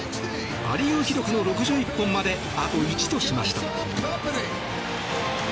ア・リーグ記録の６１本まであと１としました。